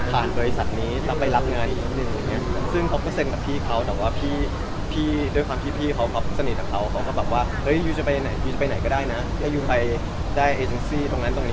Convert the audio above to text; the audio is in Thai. ผ่านบริษัทนี้ตามไปรับงานอีกทีหนึ่ง